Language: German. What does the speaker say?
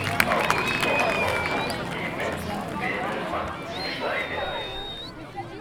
Auch aus ferneren Orten wie Metz und Memel fanden sich Steine ein.